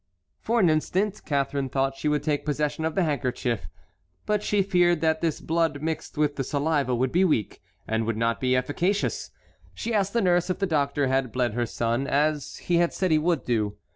For an instant Catharine thought she would take possession of the handkerchief; but she feared that this blood mixed with the saliva would be weak, and would not be efficacious. She asked the nurse if the doctor had bled her son as he had said he would do.